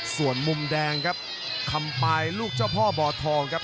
ส่วนมุมแดงครับคำปายลูกเจ้าพ่อบ่อทองครับ